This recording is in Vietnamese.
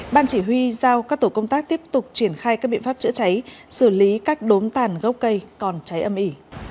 ban chỉ huy giao các tổ công tác tiếp tục triển khai các biện pháp chữa cháy xử lý các đốm tàn gốc cây còn cháy âm ỉ